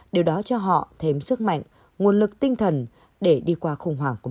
điều đó cho họ thêm sức mạnh nguồn lực tinh thần để đi qua khủng hoảng của